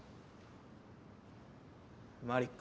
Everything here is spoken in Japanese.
マリック。